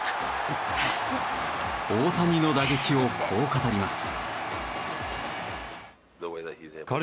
大谷の打撃をこう語ります。